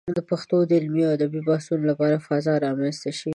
د پښتو د علمي او ادبي بحثونو لپاره فضا رامنځته شي.